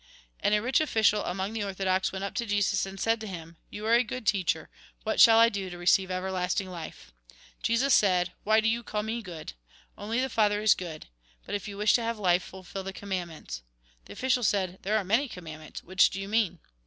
" And a rich oflicial among the orthodox went up to Jesus, and said to him :" You are a good teacher, what shall I do to receive everlasting life ?" Jesus said :" Why do you call me good ? Only the Father is good. But, if you wish to have life fulfil the commandments." The official said :" There are many command ments ; which do you mean